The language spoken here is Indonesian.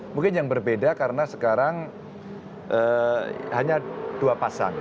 mungkin yang berbeda karena sekarang hanya dua pasang